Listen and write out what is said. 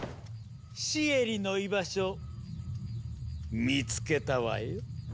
シエリの居場所見つけたわよ。